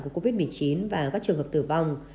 của covid một mươi chín và các trường hợp tử vong